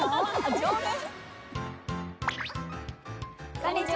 こんにちは！